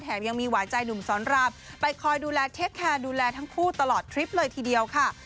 ยังมีหวานใจหนุ่มสอนรามไปคอยดูแลเทคแคร์ดูแลทั้งคู่ตลอดทริปเลยทีเดียวค่ะ